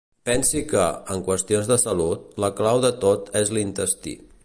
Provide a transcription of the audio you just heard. Pensi que, en qüestions de salut, la clau de tot és l'intestí.